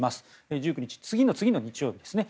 １９日は次の次の日曜日ですね。